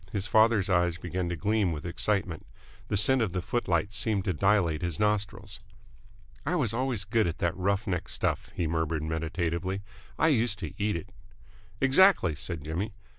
His father's eyes began to gleam with excitement. The scent of the footlights seemed to dilate his nostrils. "I was always good at that rough neck stuff," he murmured meditatively. "I used to eat it!" "Exactly," said Jimmy.